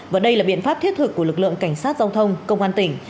và đây là biện pháp thiết thực của lực lượng cảnh sát giao thông công an tỉnh